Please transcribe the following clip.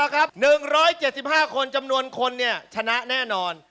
ของ๑๕๕คนค่ะ๑๗๕คนจำนวนคนฉะนั้นแน่นอน